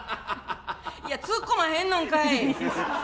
いやツッコまへんのんかい。